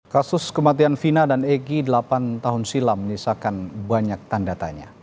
kasus kematian vina dan egy delapan tahun silam menisahkan banyak tandatanya